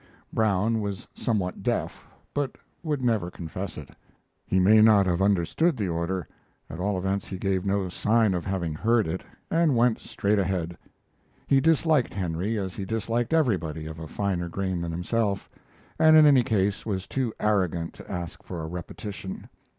Brown was somewhat deaf, but would never confess it. He may not have understood the order; at all events he gave no sign of having heard it, and went straight ahead. He disliked Henry as he disliked everybody of finer grain than himself, and in any case was too arrogant to ask for a repetition.